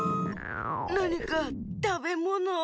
なにかたべものを！